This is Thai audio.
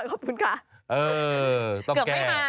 เกือบไม่มา